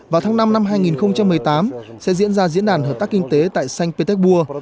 vào tháng năm năm hai nghìn một mươi tám sẽ diễn ra diễn đàn hợp tác kinh tế tại xanh petersburg